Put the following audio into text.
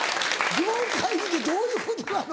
「業界に」ってどういうことなの？